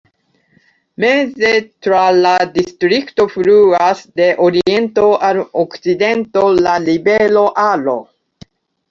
Meze tra la distrikto fluas de oriento al okcidento la rivero Aro.